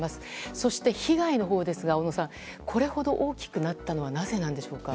そして被害ですが、小野さんこれほど大きくなったのはなぜなんでしょうか。